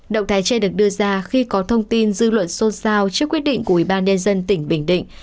động thái trên được đưa ra khi có thông tin dư luận xôn xao trước quyết định của ubnd tỉnh bình định